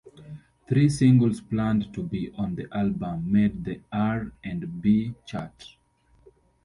Three singles planned to be on the album made the R and B chart.